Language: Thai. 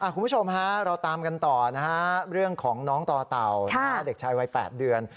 คุณผู้ชมฮะเราตามกันต่อนะฮะเรื่องของน้องต่อเต่าเด็กชายวัย๘เดือน